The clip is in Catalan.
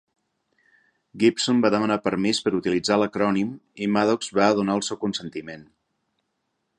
Gibson va demanar permís per utilitzar l'acrònim i Maddox va donar el seu consentiment.